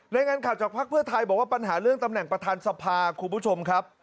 แล้วยังงั้นขับจากภาคเพื่อไทยบอกว่าปัญหาเรื่องตำแหน่งประธานสภาคุณผู้ชมครับ